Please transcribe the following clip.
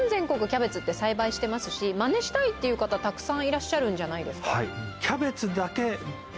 キャベツって栽培してますしマネしたいっていう方たくさんいらっしゃるんじゃないですか？